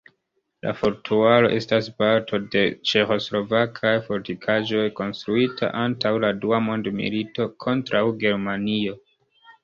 La fuortaro estas parto de ĉeĥoslovakaj fortikaĵoj konstruita antaŭ la dua mondmilito kontraŭ Germanio.